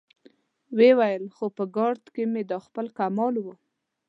ويې ويل: خو په ګارد کې مې دا خپل کمال و.